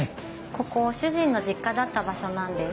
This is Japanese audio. ここ主人の実家だった場所なんです。